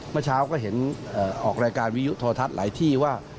เมื่อเช้าก็เห็นออกรายการวิยุโทรทัศน์หลายที่ว่า